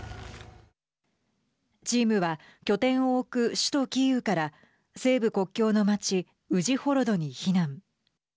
チームは拠点を置く首都キーウから西部国境の街ウジホロドに避難。